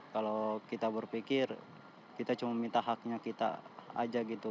kalau kita berpikir kita cuma minta haknya kita saja